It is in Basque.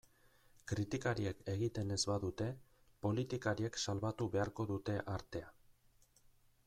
Kritikariek egiten ez badute, politikariek salbatu beharko dute artea.